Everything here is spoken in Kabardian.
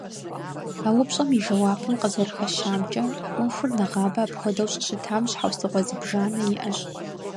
А упщӀэм и жэуапым къызэрыхэщамкӀэ, Ӏуэхур нэгъабэ апхуэдэу щӀыщытам щхьэусыгъуэ зыбжанэ иӀэщ.